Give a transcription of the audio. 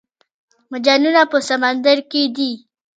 مرجانونه په سمندر کې دي